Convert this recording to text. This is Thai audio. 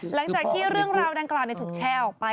หลังจากที่เรื่องราวดังกล่าวถูกแชร์ออกไป